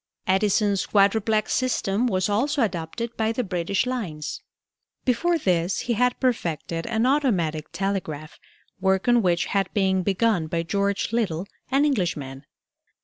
Edison's quadruplex system was also adopted by the British lines. Before this he had perfected an automatic telegraph, work on which had been begun by George Little, an Englishman.